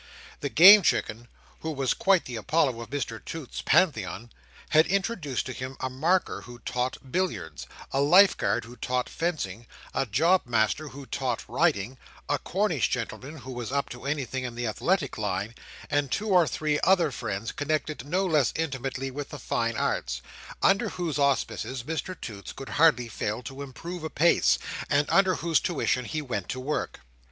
The Game Chicken, who was quite the Apollo of Mr Toots's Pantheon, had introduced to him a marker who taught billiards, a Life Guard who taught fencing, a jobmaster who taught riding, a Cornish gentleman who was up to anything in the athletic line, and two or three other friends connected no less intimately with the fine arts. Under whose auspices Mr Toots could hardly fail to improve apace, and under whose tuition he went to work.